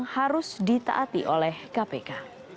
harus ditaati oleh kpk